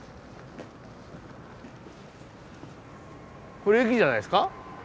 これ駅じゃないですか？